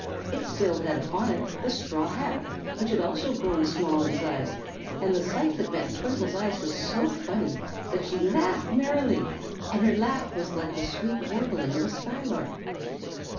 It still had upon it the straw hat, which had also grown small in size, and the sight that met Twinkle's eyes was so funny that she laughed merrily, and her laugh was like the sweet warbling of a skylark.